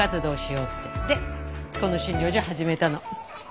でこの診療所を始めたの。